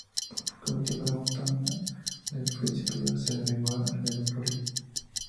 Con el tiempo, la montaña del Príncipe Pío se segregó de la Florida.